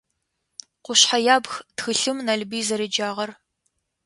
«Къушъхьэ ябг» тхылъым Налбый зэреджагъэр.